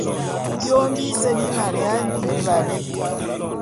Biôm bise bi maneya li'i valé.